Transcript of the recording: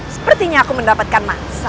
sepertinya aku mendapatkan mangsa